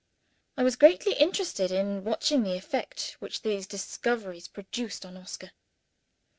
I was greatly interested in watching the effect which these disclosures produced on Oscar.